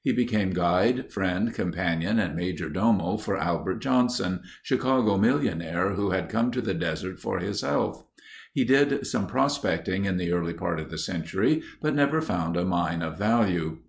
He became guide, friend, companion, and major domo for Albert Johnson—Chicago millionaire who had come to the desert for his health. He did some prospecting in the early part of the century, but never found a mine of value.